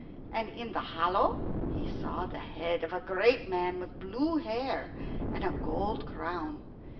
And in the hollow he saw the head of a great man with blue hair and a gold crown.